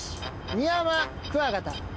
ミヤマクワガタ。